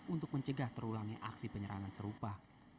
untuk mencegah terulangnya aksi penyerangan serupa